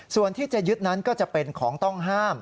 ส่วนที่จะยึดนั้นก็จะเป็นของต้องห้าม